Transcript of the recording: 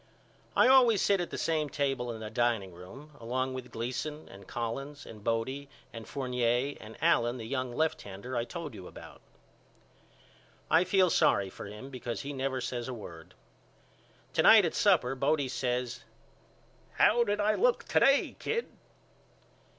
I always sit at the same table in the dining room along with Gleason and Collins and Bodie and Fournier and Allen the young lefthander I told you about. I feel sorry for him because he never says a word. To night at supper Bodie says How did I look to day Kid?